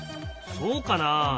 そうかな？